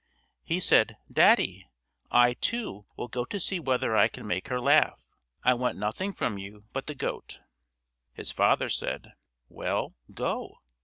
He said: "Daddy! I, too, will go to see whether I can make her laugh. I want nothing from you but the goat." His father said, "Well, go."